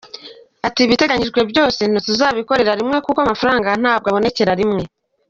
Ati “Ibiteganyijwe byose ntituzabikorera rimwe kuko amafaranga ntabwo abonekera rimwe.